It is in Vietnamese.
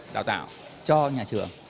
đào tạo cho nhà trường